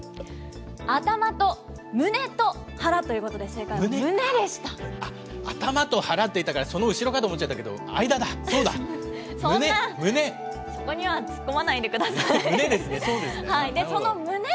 頭と胸と腹ということで、あっ、頭と腹って言ったからその後ろかと思っちゃったけど、間だ、そうだ、胸、そこには突っ込まないでくだ胸ですね、そうですね。